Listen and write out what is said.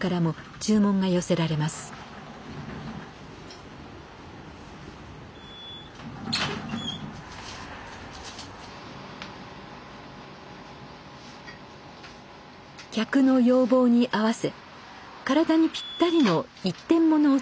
客の要望に合わせ体にぴったりの一点物を作っています。